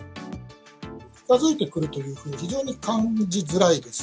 近づいてくるというのが、非常に感じづらいです。